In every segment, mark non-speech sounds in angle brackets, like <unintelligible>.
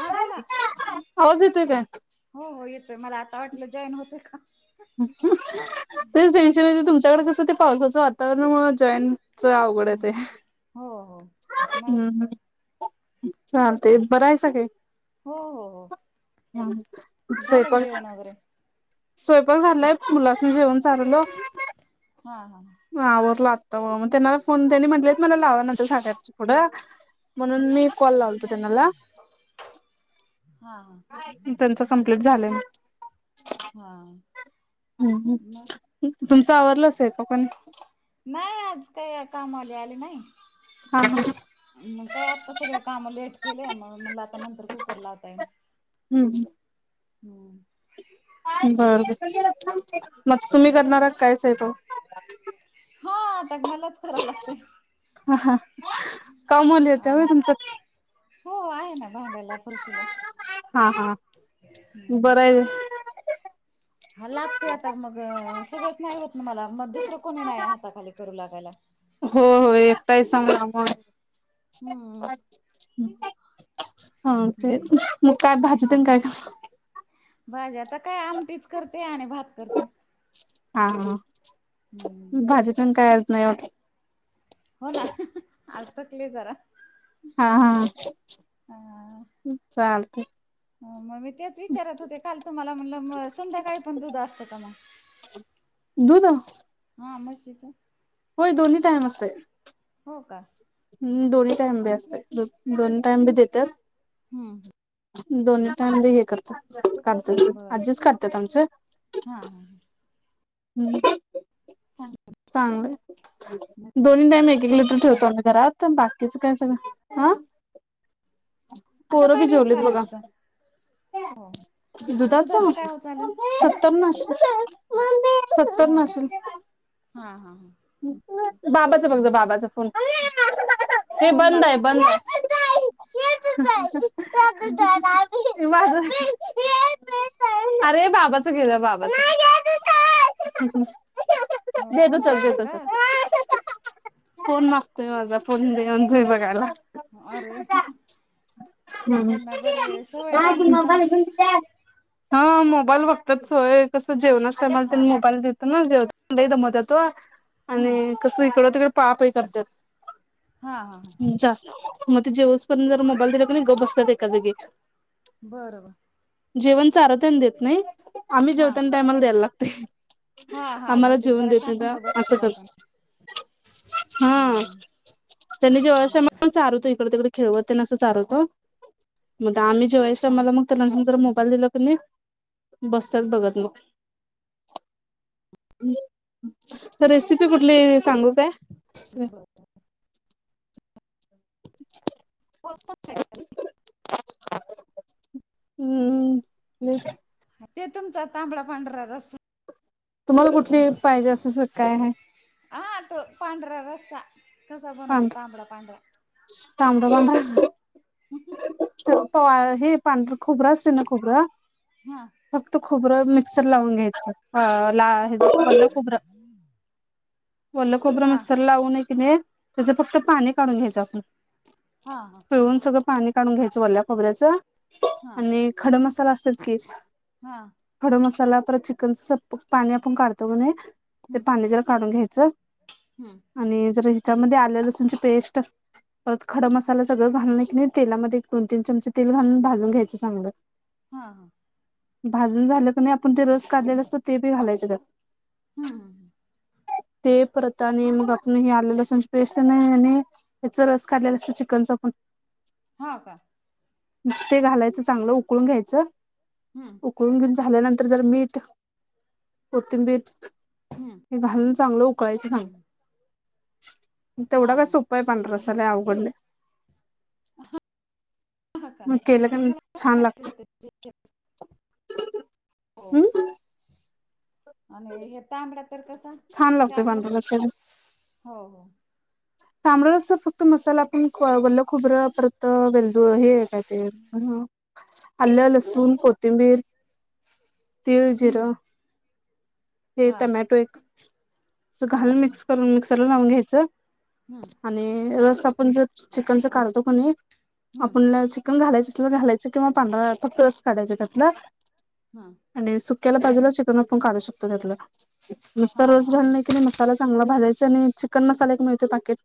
हा बोला आवाज येतोय काय? हो हो येतोय, मला आता वाटलं जॉईन होतय का. तेच टेन्शन म्हणजे, तुमच्याकडे कसं ते पावसाचं वातावरण म जॉईन चं अवघड आहे ते.. हो -हो मग हम्म हम चालतय बरं आहेसा काय? हो हो हो हम् झालं का स्वपायक जेवण झाला वगैरे स्वयंपाक झालाय मुलासनी जेवन चारायलो. हा हा.. <inaudible> ला आता मग त्यांनाला फोन त्यांनी म्हटलेयत मला लावा नंतर साडेआठ ची पुढ, म्हणून मी कॉल लावलतो त्यांनाला. हा हा.. त्यांच कमप्लीट झालं. हा हम् मग तुमचं आवरलं स्वयंपाक पाणी? नाही आज काही कामवाली आले नाही. हा.. म काय आता सगळे काम लेट केलेय, मग म्हण आता नंतर कुकर लावता येईल. हम्.. हम्म बर बर मग तुम्ही आहे बाकी करणार काय स्वयंपाक हो आता मलाच करा लागते का मुली येत्या हा होय न तुमच्यात? हो आहे ना, भांड्याला, फरशीला हा हा हम्म, बरं आहे हा लागतेय आता मग सगळंच नाही होत मला मग दुसरं कोणी नाही हाताखाली करू लागायला. हो होय एकटाही समना मंग हम्म हा ते मग काय भाजी तुम्ही काय कराय भाजी आता काय आमटीच करते आणि भात करते. हा हा हम्म भाजी तून काय होत नाही हो हो ना आज थकले जरा. हा हा अ चालते. मग मी तेच विचारत होते, काल तुम्हाला म्हणलं संध्याकाळी पण दुध असतं, का मग? दूध हा म्हशीचं होय दोन्ही टाईम असते. हो का हम्म दोन्ही टाईम बी असत्या दूध, दोन्ही टाईम बी देत्यात. हम्म दोन्ही टाईम बी हे कर काढते दूध बरं आजीच काढते आमचे. हां हां हां. हम्म चांगलं चांगलं मग दोन्ही टाईम एक एक पोरं लिटर जेवले का ठेवतो आम्ही घरात बा कीच काय सगळं हा आता पोरं काय बी रेट जेवलीत चालू आहे बघा तिथं? हो दुधाचा सत्तर नाशी सत्तर नाशील. हा हा हा बाबाचा बघ जा बाबाचा फोन हे फोन बंद आहे मागते बंद आहे. <unintelligible> हे माझं अरे बाबाच घे जा बाबाच <unintelligible> हो <unintelligible> देतो फोन चल पाहिजे देतो का चल. फोन मागतोय माझा फोन दे म्हणतोय बघायला. अरे! त्यांना बरे सवय लागली चांग हा मोबाईल बघतात सोय कसं जेवणच टाईम आला हा त्यांन हा मोबाईल देत ना जेवताना लय दमत्यात व हम्म आणि कस इकड तिकड पळापळी करत्यात. हा हा हा जास्त मग ते जेवसपर्यंत जरा मोबाईल दिला का नाही गप्प बसत्या एका जागी. बर बर जेवण चारवतना देत नाही, आम्ही हा जेवताना टाईम आला द्यायला लागते. हा हा आम्हाला मग ते जेऊन जरा देत शांत नाहीत्यांना असं बसत कर असन हा हम्म त्यांनी जेवायच्या बरं टाईमला चाारवतो इकड तिकड खेळवते अन असं चालवतो. मग आम्ही जेवाच्या टाईमला मग त्यानां नंतर मोबाईल दिला का नाही बसत्यात बघत मग. तर रेसिपी कुठली काय सांगू काय? <inaudible> <inaudible> <unintelligible> हम् ह.. ते तुमचा तांबड पांढरा रस्सा तुम्हाला कुठली पाहिजे असं स काय आहे? हा तो पांढरा रस्ता, कसा बनवतो तांबड पांढरा? तांबडा पांढरा? हे पांढर खोबरं असते ना खोबरं हा.. फक्त खोबरं मिक्सर लावून घ्यायचं, ला हा ओलं खोबरं.. वल्लं कोबरं हा मिक्सर लावूून की नाही त्याच फक्त पाणी काढून घ्यायच आपण हा हा पिळून, सगळं पाणी काढून घ्यायचं वल्या खोबऱ्याच हा आणि खड मसाल असतात की हा.. खडम मसाल परत चिकनच सपक पाणी आपण काढतोय कणी ते पाणी जरा काढून घ्यायचं हम्म आणि जर ह्याच्यामध्ये आल्य लसूणची पेस्ट परत खड मसाला सगळं घालून की नाही तेलामध्ये एक दोन तीन चमचे तेल घालून भाजून घ्यायचं चांगलं. <unintelligible> हा हा.. भाजून झालं क नाही आपण ते रस काढलेला असतो ते बी घालायच त्यात हम् हम ह.. ते परत आणि आपण ह आलं लस पेस्ट नाही आणि याच रस काढलेला असतो चिकनचा पण हा का? ते घालायचं चांगलं उकळून घ्यायचं.. हम्म. उकळून घेऊन झाल्यानंतर जरा मीठ, कोथिंबीर हम्म हे घालून चांगलं उकळायचं सांग हम्म हा तेवडा काय हा सोपाय पांढरा रस्सा काय लय अवघड नाय. <unintelligible> केलं का छान लागत <unintelligible> हो हम् आणि हे तांबडा तर कसा छान लागतोय आपलं पांढरा रस्सा हो हो. तांबड रस्सा फक्त मसाला आपण वल्ल खोबरं परत वेलदू हे काय ते आल्ल, लसूण, कोथिंबीर, तीळ, जिर हम्म हे हा टोमॅटो एक अस हा घालुन हा मिक्स करून मिक्सरला लावून घ्यायचं. हम्म. आणि रस्सा आपण जे चिकन चा काढतो किनाई हम्म आपण चिक कण घालायचं असल घालायचं किंवा पांढरा फक्त रस काढायचा त्यातला हा. आणि सुक्याला बाजूला चिकन पण काढू शकतो त्यातला नुसत हा रस हा घाल नाही नाही मसाला चांगला भाजायचा आणि चिकन मसाले एक मिळतो पॅकेट-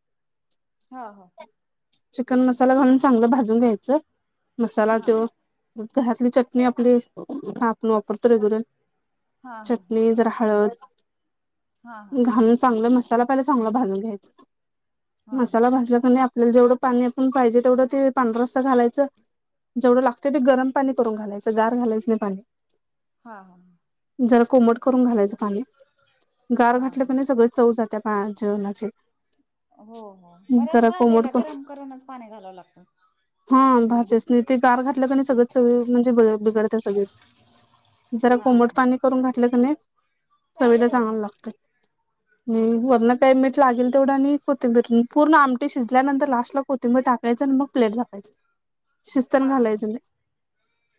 हो हो. चिकन मसाला घालून चांगलं भाजून घ्यायचं मसाला हा तो मग घरातली चटणी आपली आपण वापरतो रेग्युलर. हा -हा. नी जरा हळद हा हा घालून चांगलं मसाला पहिला चांगला भाजून घ्यायचा. हा हा मसाला भाजला क नई आपल्याला जेवढं पाणी आपण पाहिजे तेवढं ते पांढरा रस्सा घालायचं. जेवढं लागतं ते गरम पाणी करून घालायचं, गार घालायचं नाही पाणी. हा, हा, हा. जरा कोमट करून घालायचं पाणी, गार हा घातलं क नाही सगळच चव जातीया पार जेवणाची. हो -हो बऱ्याच जरा कोमट भाज्याला क गरम करूनच पाणी घालावं लागतं. हा भाजासनी ते गार घातलं न की नाही सगळं चव म्हणजे ब बिघडते सगळीच जरा हा कोमट हा पाणी करून घातलं का नाही चवीला हम्म चांगल लागतयं, बरं वरन काय मीठ लागेल तेवढं आणि कोथिंबीर पूर्ण आमटी शिजल्यानंतर लास्ट ला कोथिंबीर टाकायंच, आणि मग प्लेट झाकायचं. शिजताना हा-हा घालायचं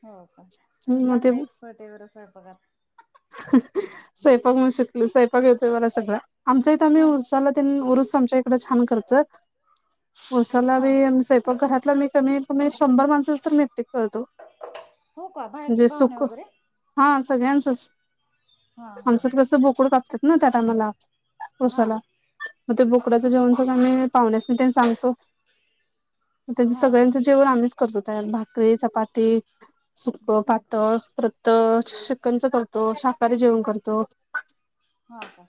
हो का? तुम्ही नाही मग ते चांगले एक्सपर्टय बर स्वयपाकात. <inaudible> स्वयंपाक म्हणौन शिकली, स्वयपाक येतोय मला सगळा आमच्या इथं आम्ही हां ऊरूसला तेन् उरुस आमच्या छान करतोयत ऊरुसाला बी हां आम् सेट घरातलं मी कमीत- कमी शंभर माणसाच तर मी एकटी करतो. हो का बाहेरचे म्हणजे पाहुणे सुकं वगैरे हा सगळ्यांचच. हां हां आमच्याकड कसं बोकडं कापतात ना त्या टाइमाला, हां ऊरुसाला मग ते बोकड्याचं हां जेवण मग आम्ही पाहुण्यासनी तेन् सांगतो त्यांच हां हां हां सगळ्यांचं जेवण आम्हीच करतो तयार, भाकरी, चपाती सुकं पातळ परत तर चिकनच करतो, शाकाहारी जेवण करतो. हा का?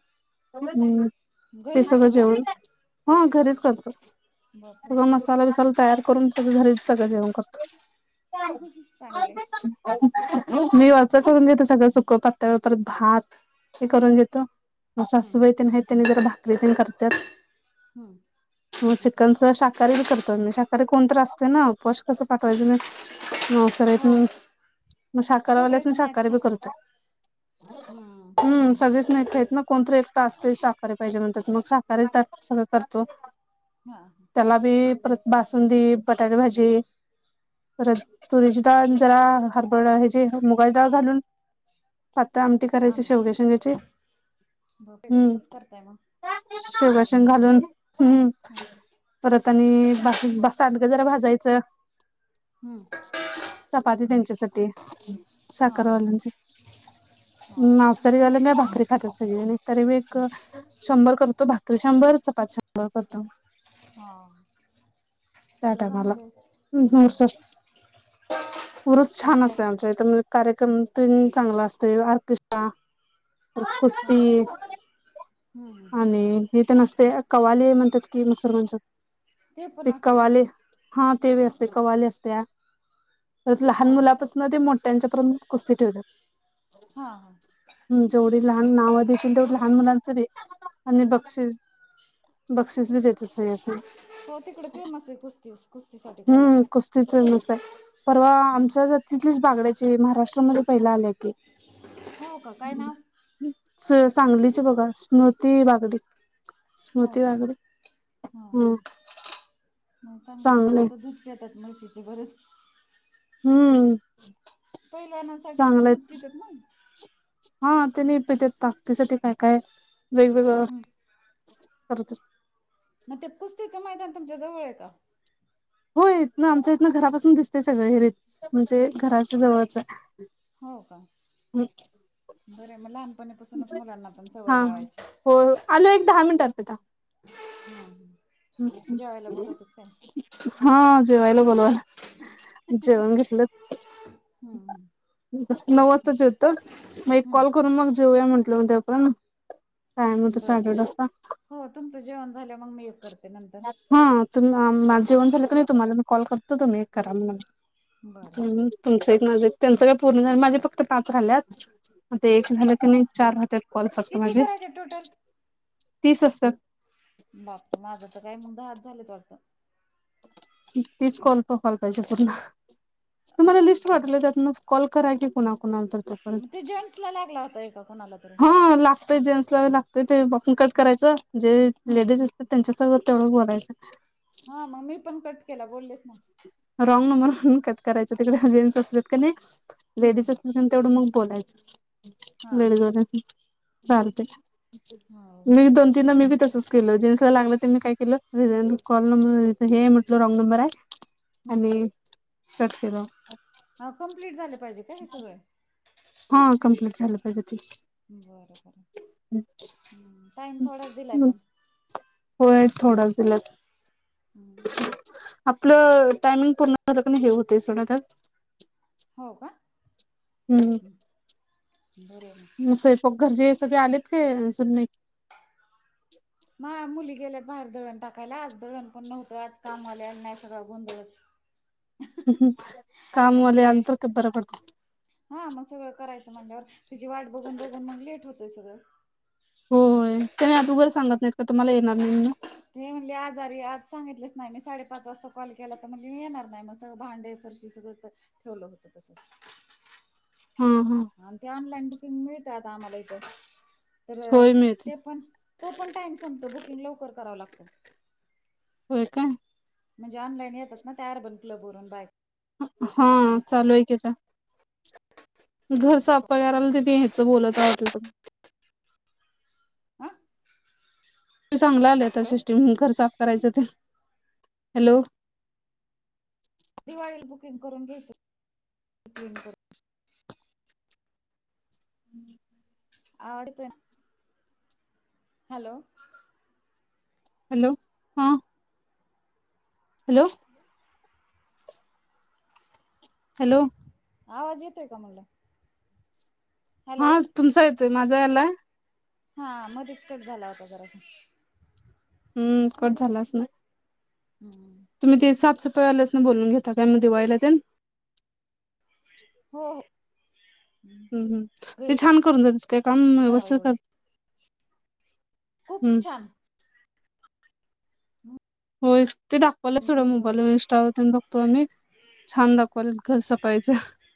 हम्म, ते सगळं जेवण हा घरीच करतो. बापरे सगळ मसाला बिसाला तयार करून सगंळं घरीच सगळं जेवण करतो. चांगले हा मी वरच करून घेतो सगळं सुकं पातळ परत भात हे करून घेतो, म हम्म सासुबाई न ते न त्या जरा भाकरी तेन् करत्यात.. हम्म, मग चिकनच, शाकाहारी बी करतो आमी, शाकाहारी कोणतरी असते न मग उपाशी कसं पाठवायचं नाही. मावसार येत हो नही, मग सगळेच शाकारावाल्यासणी नाहीत शाकाहारी बी खात करतो. हम्म, सगळेच नाही खायत ना, कोणतरी एकटा असतेय शहाकारी पाहिजे म्हणतात मग शाकारी ता सगळ करतो. हा, त्याला बी परत बासुंदी, बटाटे भाजी परत तुरीची डाळ, जरा हरबळ ह्याची, मुगाची डाळ घालून पातळं आमंटी करायची आंबे शेवग्या च्या शेंगायची बापरे हम्म, खूपच करताय मग शेवगा शेंग घालून हम्म, परत आणि ब ब सांडगं जरा भाजायचं, हम्म, चपाती त्यांच्या साठी. हा, हा नावसारी वाले ना भाकरी खात्यात सगळी आणि तरी मी एक अं शंभर करतो भाकरी, शंभरच चपाती शंभर करतो. हा त्या टायमाला चांगले हम्म हम्म असच. ऊरुस छान असतय आमच्या इथ मग कार्यक्रम तेन चांगल अस तोय आर्केस्ट्रा परत हा कुस्ती हम्म हम्म. आणि इथे नसतेय कवाली म्हणतेत की मुसलमानच्यात. ते पण असते का? हा ते बी असते कवाली असत्या परत लहान हा मुलातच म ते मोठ्यांच्या परेंत कुस्ती ठेवत्यात. हा हा. हम जेवढी लहान नावं देतील तेव्हडी लहान मुलांचं बी आणि बक्षीस बक्षीस बी देती सगळ्यांसणी. तो तिकडे फेमसय कुस्तीस. हम्म कुस्ती फेमस हाय परवा हा आमच्या ईथलीच बागड्याची महाराष्ट्रामध्ये पाहिलं आल्या की. हो का काय नाव स सांगलीची बघा. स्मृती बागडे, हो स्मृती का बागडे हा हम्म. मग चांगलय म्हणून चांगलंय तर दूध पेतात म्हशीचे बरेच. हम्म. पहिलवानासाठीच ते चांगलंय दूध पित्यात ना. हा तेणी पीत्यात ताकदीसाठी काय काय वेगवेगळं हं करत्यात. मग ते कुस्तीचं मैदान तुमच्या जवळय का? होय इथन आमच्या इथन घरापासून दिसतय सगळ हरी म्हणजे घराच्या जवळच हाय. हो का बरय मग लहानपणा पासूनच मुलांना पण सवय हा लावायची. हो आलो एक दहा मिनट आर्पिता. जेवायला बोलवतात काय? हा जेवायला बोलवल्या. जेवण घेतलंत. हं हं नऊ वाजता जेवतो, मग एक हं. कॉल करून मग जेऊया म्हंटलं होते आपण. टायम होता बरं सॅटर्डेचा. हो तुमचं जेवण झाल्यावर मग मी एक कर हा तुम माझ जेवण झालं क नाही तुम्हाला मी कॉल करतो तुम्ही करा मग. बरं बरं तुमचं एक, माझं एक, त्यांचं का पूर्ण झाल माझे फक्त पाच राहील्यात. आता एक काय झालं कनाय चार राहत्यात कॉल फक्त किती माझे, करायचे टोटल? तीस असत्यात. बाप रे माझा तर काय मग दहाच झालेत वाटत? तीच कॉल <unintelligible> पाहिजे तुम्हाला लिस्ट पाठवल्या त्यातनच. कॉल करा की कुणाकुणाला तर? तोपर्यंत मग ते जेंट्स लागला होता एका कुणाला हा लागतय जेंट्स ला व लागतय ते बघुन कट करायचं जे हं लेडीज असत त्यांच्यासोबत तेवढं बोलायचं. हा मग मी पण कट केला बोललेच नाही. रॉंग नंबर म्हणून कट करायच त्याच्यात जेंट्स असत्यात कनाय. लेडीज हं असतील कनय तेवढं मग बोलायचं हां लेडीज <unintelligible> चालतय. हां हो मी दोन तीनदा मी बी तसच केलो जेंट्स ला लागलं ते मी काय केलं रिझा <unintelligible> कॉल नंबर हे म्हटलं रॉंग नंबर हाय हं आणि हं कट केला. अ कम्प्लीट झाले पाहिजे का हे सगळें? हा कम्प्लीट झालं पाहिजेत हे. बरं -बर हम्म टाइम थोडाच दिलाय पण. होय थोडाच दिलात. हम्, आपलं टायमिंग पूर्ण हे होते सगळ त्यात हो का? हम्म, बरंय म म स्वयंपाक घरचेे हे सगळे आलेत का सुन नहि नाय मुली गेल्यात बाहेर दळण टाकायला आज दळण पण नव्हतं, आज काम वाली आली नाहो अन् माझा सगळा गोंधळच. कामवाली आली तर ते बरं पडतं. हा मग सगळं म्हणल्यावर तिची वाट बघून- बघून मगं लेट होतयं सगळं. होय, त्याने आदुगर सांगत नाहीत का तुम्हाला येणार नाहीेत म्हणुन? ती म्हणले आजारी आज सांगितलेच नाही, मी साडेपाच वाजता कॉल केला तर म्हणली मी येणार नाही मग सगळं भांडे फरशी सगळं होतं, ठेवलं होतं तसंच. हं-हं. हा अन् ते ऑनलाईन बुकिंग मिळतात आम्हाला इथं तर होय मिळते ते पण तो पण टाइम संपतो, बुकिंग लवकर करावं लागतो. होय काय? म्हणजे ऑनलाईन येतात, ना तयार बन क्लब भरून बायका हो, चालुये कि त्या. घर सापपा करायला तिथे यायचं बोलतता वाटलं तुमही हा त चांगला आले आता हॅलो सिष्टीम घर साफ करायचं ते, हॅलो दिवाळीला बुकिंग करून घ्यायचं, बुकिंग करु <inaudible> आवडते. हॅलो, हॅलो, हा हॅलो, हॅलो आवाज येतोय का म्हणलं? हॅलो, हा तुमचा येतोय, माझा आला? हा, मध्येच कट झाला होता, जरासा. ह्म्म, कट झाला असणार. हम् तुम्ही ते साफसफ वाल्यासं नी बोलून घेता काय मग दिवाळीला त्या? हो-हो. हम् -हम ते छान करून देता स्टेप करावं व्यवस्थ एवढं कर खूप छान. होयच ते दाखवलच तेवढं पुसून मोबाईलवर -इंस्टावर. आपण बघतो आणि छान दाखवलय त घर षफाईच.